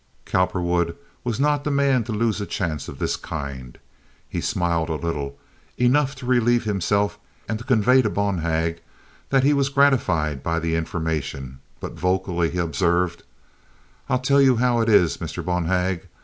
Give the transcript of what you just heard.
Cowperwood was not the man to lose a chance of this kind. He smiled a little—enough to relieve himself, and to convey to Bonhag that he was gratified by the information, but vocally he observed: "I'll tell you how it is, Mr. Bonhag.